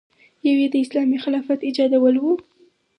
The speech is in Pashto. یو یې د اسلامي خلافت ایجادول و.